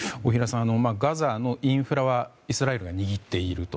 ガザのインフラはイスラエルが握っていると。